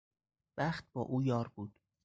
بخت با او یار بود.